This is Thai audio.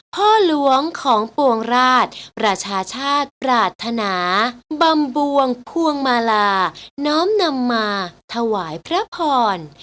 พ่อหลวงของปวงราชประชาชาติปรารถนาบำบวงควงมาลาน้อมนำมาถวายพระพร